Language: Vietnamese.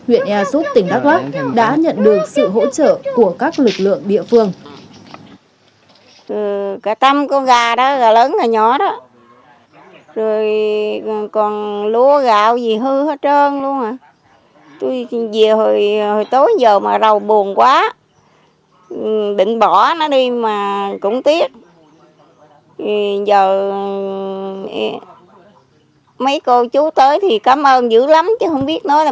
huyện ea sốt tỉnh đắk lắk đã nhận được sự hỗ trợ của các lực lượng địa phương